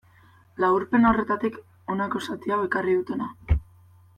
Laburpen horretatik honako zati hau ekarri dut hona.